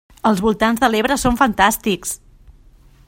Els voltants de l'Ebre són fantàstics!